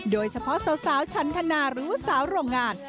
โดยเฉพาะสาวชันทนาหรือว่าสาวโรงงาน